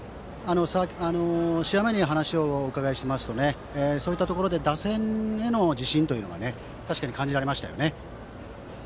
試合前に話をお伺いしますとそういったところで打線への自信というのが確かに感じられましたよね。